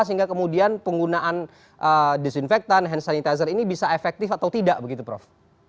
sehingga kemudian penggunaan disinfektan hand sanitizer ini bisa efektif atau tidak begitu prof